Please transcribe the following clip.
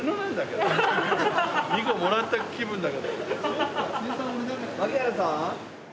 ２個もらった気分だけど。